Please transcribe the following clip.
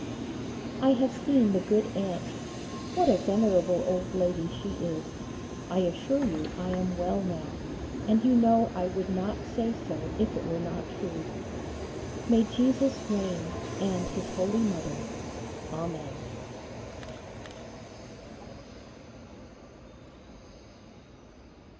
I have seen the good aunt: what a venerable old lady she is! I assure you I am well now, and you know I would not say so if it were not true. May Jesus reign and His Holy Mother. Amen.